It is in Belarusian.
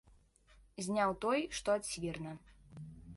Зняў той, што ад свірна.